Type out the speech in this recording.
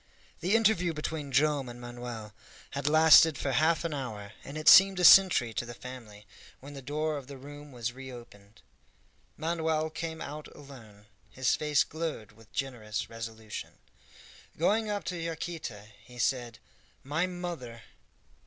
The interview between Joam and Manoel had lasted for half an hour, and it seemed a century to the family, when the door of the room was reopened. Manoel came out alone; his face glowed with generous resolution. Going up to Yaquita, he said, "My mother!"